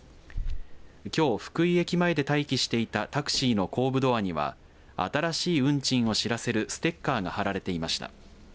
きょう、福井駅前で待機していたタクシーの後部ドアには新しい運賃を知らせるステッカーが貼られていました。